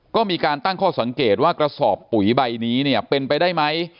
ก็มีการตั้งข้อสังเกตว่ากระสอบปุ๋ยใบนี้เนี่ยเป็นไปได้ไหม